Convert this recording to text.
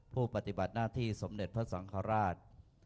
ปฏิบัติหน้าที่สมเด็จพระสังฆราช